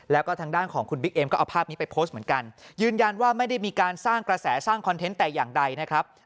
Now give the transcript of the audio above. แล้วก็ทางด้านของคุณบิ๊กเอ็มก็เอาภาพนี้ไปโพสต์เหมือนกันยืนยันว่าไม่ได้มีการสร้างกระแสสร้างคอนเทนต์แต่อย่างใดนะครับ